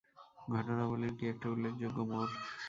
ঘটনাবলীর কী একটা উল্লেখযোগ্য মোড়।